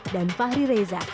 dan fahri reza